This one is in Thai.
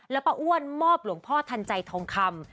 ป้าอ้วนมอบหลวงพ่อทันใจทองคำ